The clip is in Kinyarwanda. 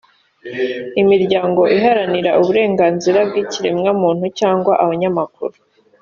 imiryango iharanira uburenganzira bw’ikiremwa muntu cyangwa abanyamakuru